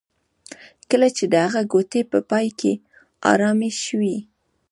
کله چې د هغه ګوتې په پای کې ارامې شوې